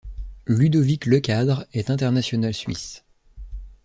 Ludovic Le Cadre est international suisse.